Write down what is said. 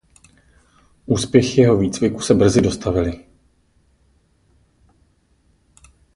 Úspěchy jeho výcviku se brzy dostavily.